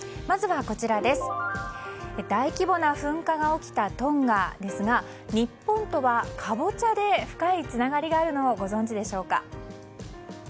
まずは、大規模な噴火が起きたトンガですが日本とはカボチャで深いつながりがあるのをご存じでしょうか。